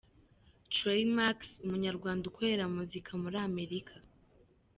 Trey Max; umunyarwanda ukorera muzika muri Amerika.